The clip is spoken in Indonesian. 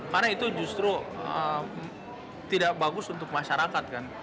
karena itu justru tidak bagus untuk masyarakat kan